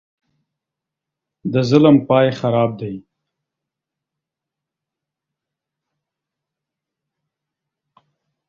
د ظلم پاى خراب دى.